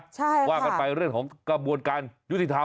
ใช่ว่ากันไปเรื่องของกระบวนการยุติธรรม